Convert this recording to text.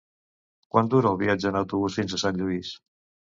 Quant dura el viatge en autobús fins a Sant Lluís?